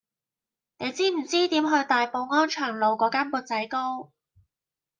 你知唔知點去大埔安祥路嗰間缽仔糕